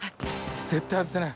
絶対外せない。